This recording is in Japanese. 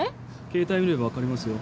携帯見れば分かりますよ。